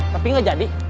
tapi gak jadi